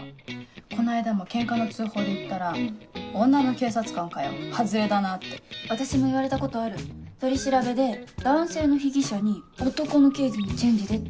この間もケンカの通報で行ったら「女の警察官かよハズレだな」って。私も言われたことある取り調べで男性の被疑者に「男の刑事にチェンジで」って。